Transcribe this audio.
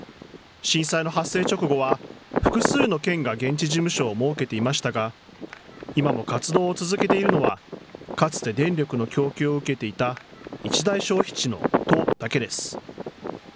震災の発生直後は複数の県が現地事務所を設けていましたが今も活動を続けているのはかつて電力の供給を受けていた一大消費地の都だけです。